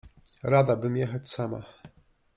— Rada bym jechać sama.